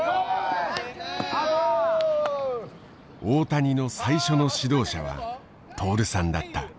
大谷の最初の指導者は徹さんだった。